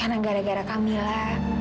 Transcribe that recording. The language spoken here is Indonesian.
karena gara gara kamila